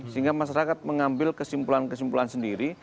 sehingga masyarakat mengambil kesimpulan kesimpulan sendiri